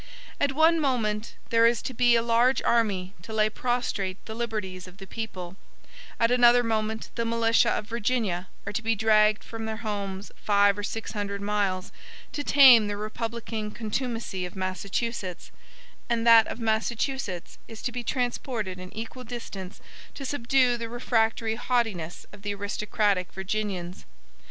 At one moment there is to be a large army to lay prostrate the liberties of the people; at another moment the militia of Virginia are to be dragged from their homes five or six hundred miles, to tame the republican contumacy of Massachusetts; and that of Massachusetts is to be transported an equal distance to subdue the refractory haughtiness of the aristocratic Virginians.